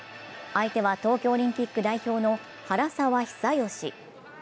相手は東京オリンピック代表の原沢久喜。